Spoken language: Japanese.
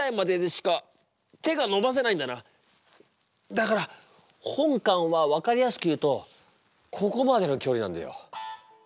だから本官は分かりやすく言うとここまでの距離なんだよ。